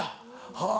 はぁ。